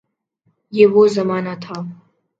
یہ وہ زمانہ تھا۔